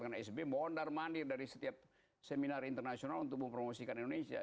karena sbi mondar mandir dari setiap seminar internasional untuk mempromosikan indonesia